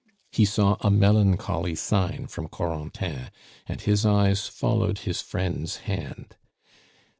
He saw a melancholy sign from Corentin, and his eyes followed his friend's hand.